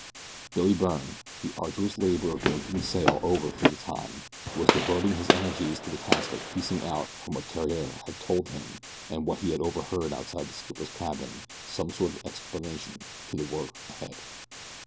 Billy Byrne, the arduous labor of making sail over for the time, was devoting his energies to the task of piecing out from what Theriere had told him and what he had overheard outside the skipper's cabin some sort of explanation of the work ahead.